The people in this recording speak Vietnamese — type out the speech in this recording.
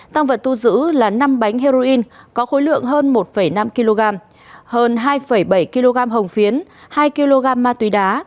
tăng vật thu giữ là năm bánh heroin có khối lượng hơn một năm kg hơn hai bảy kg hồng phiến hai kg ma túy đá